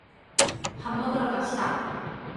밥 먹으러 갑시다!